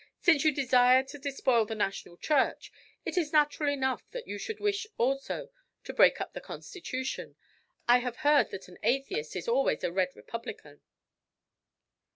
"Since you desire to despoil the National Church, it is natural enough that you should wish also to break up the Constitution. I have heard that an atheist is always a red republican."